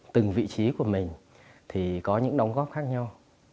từng vị trí của mình thì có những đóng góp khác nhau